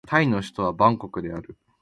タイの首都はバンコクである